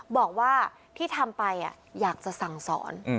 บอกว่าที่ทำไปอยากจะสั่งสอน